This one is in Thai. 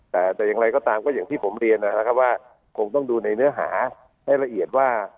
แต่อย่างไรก็ตามก็อย่างที่ผมเรียนนะครับว่าคงต้องดูในเนื้อหาให้ละเอียดว่า